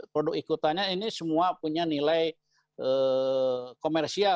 produk ikutannya ini semua punya nilai komersial